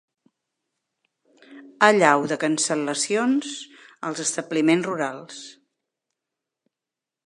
Allau de cancel·lacions als establiments rurals.